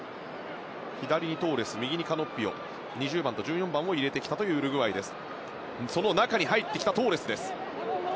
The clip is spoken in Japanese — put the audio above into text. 左にトーレス右にカノッビオ２０番と１４番を入れてきたウルグアイです。